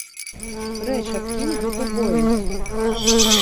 Прэч адкінь гэту боязь!